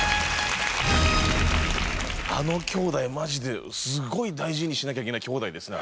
あの兄弟マジですごい大事にしなきゃいけない兄弟ですね。